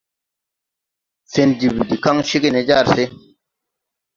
Fen jiɓiddi kaŋ cégè ne jar se.